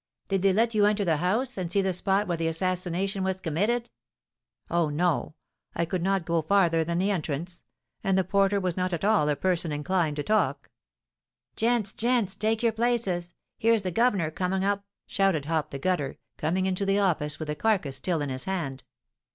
"Did they let you enter the house and see the spot where the assassination was committed?" "Oh, no! I could not go farther than the entrance; and the porter was not at all a person inclined to talk." "Gents, gents, take your places; here's the gov'nor coming up!" shouted Hop the Gutter, coming into the office with the carcass still in his hand.